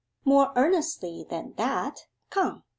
'More earnestly than that come.